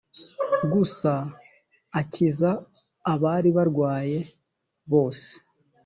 gusa akiza abari barwaye bose